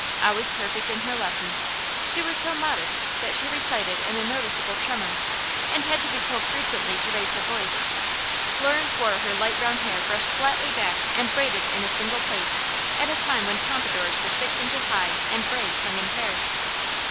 Always perfect in her lessons, she was so modest that she recited in a noticeable tremor, and had to be told frequently to raise her voice. Florence wore her light brown hair brushed flatly back and braided in a single plait, at a time when pompadours were six inches high and braids hung in pairs.